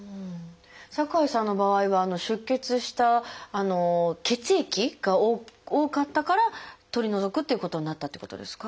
酒井さんの場合は出血した血液が多かったから取り除くっていうことになったっていうことですか？